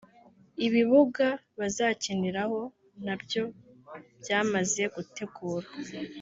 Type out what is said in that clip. Ibibuga bazakiniraho nabyo byamaze gutegurwa